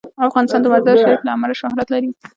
افغانستان د مزارشریف له امله شهرت لري.